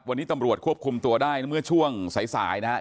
วันนี้ตำรวจควบคุมตัวได้เมื่อช่วงสายนะครับ